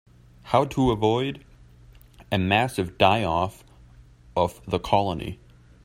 How to avoid a massive die-off of the colony.